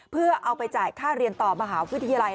เพื่อเอาไปจ่ายค่าเรียนต่อมหาวิทยาลัย